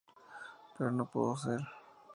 Pero no pudo ser.